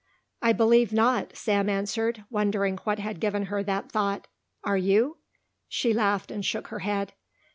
"I believe not," Sam answered, wondering what had given her that thought. "Are you?" She laughed and shook her head.